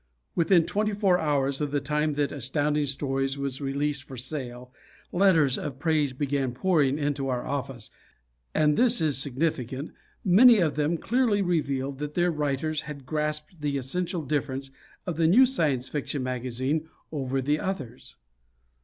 Within twenty four hours of the time that Astounding Stories was released for sale, letters of praise began pouring into our office, and and this is significant many of them clearly revealed that their writers had grasped the essential difference of the new Science Fiction magazine over the others.